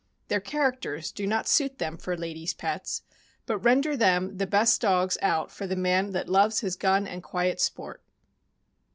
Their characters do not suit them for ladies' pets, but render them the best dogs out for the man that loves his gun and quiet sport.